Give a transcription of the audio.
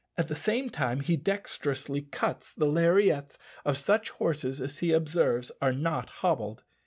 At the same time he dexterously cuts the lariats of such horses as he observes are not hobbled.